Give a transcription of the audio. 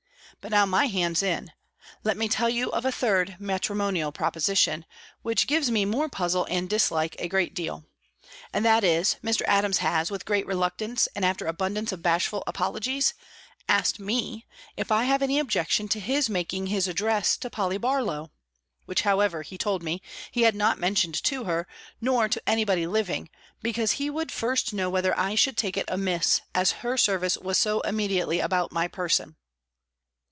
But now my hand's in, let me tell you of a third matrimonial proposition, which gives me more puzzle and dislike a great deal. And that is, Mr. Adams has, with great reluctance, and after abundance of bashful apologies, asked me, if I have any objection to his making his addresses to Polly Barlow? which, however, he told me, he had not mentioned to her, nor to any body living, because he would first know whether I should take it amiss, as her service was so immediately about my person.